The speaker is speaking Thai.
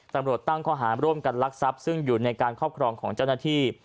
ตำรวจตั้งข้อหาร่วมกันลักทรัพย์ซึ่งอยู่ในการครอบครองของเจ้าหน้าที่